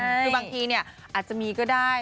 คือบางทีอาจจะมีก็ได้